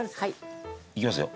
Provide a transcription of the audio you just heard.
いきますよ？